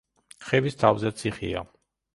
ხევის თავზე ციხეა.